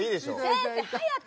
先生早く！